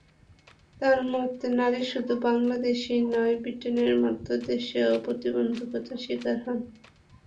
তাঁর মতে, নারী শুধু বাংলাদেশেই নয়, ব্রিটেনের মতো দেশেও প্রতিবন্ধকতার শিকার হন।